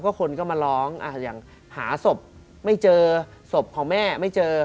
คนก็มาร้องอย่างหาศพไม่เจอศพของแม่ไม่เจอ